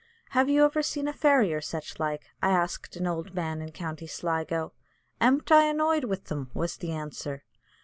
"Have you ever seen a fairy or such like?" I asked an old man in County Sligo. "Amn't I annoyed with them," was the answer.